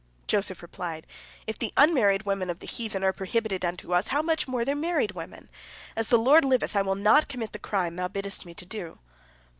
Joseph replied: "If the unmarried women of the heathen are prohibited unto us, how much more their married women? As the Lord liveth, I will not commit the crime thou biddest me do."